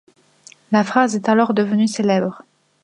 La phrase est alors devenue célèbre.